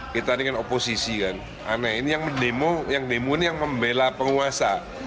kita ini kan oposisi kan aneh ini yang demo ini yang membela penguasa